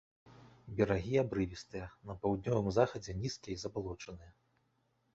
Берагі абрывістыя, на паўднёвым захадзе нізкія і забалочаныя.